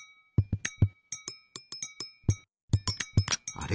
あれ？